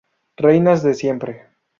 Reinas de siempre.